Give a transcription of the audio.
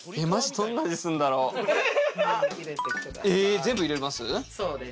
全部入れます？